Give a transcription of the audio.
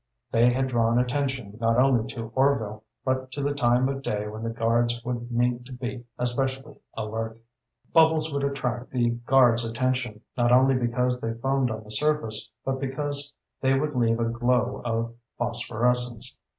They had drawn attention not only to Orvil, but to the time of day when the guards would need to be especially alert. Bubbles would attract the guards' attention, not only because they foamed on the surface, but because they would leave a glow of phosphorescence.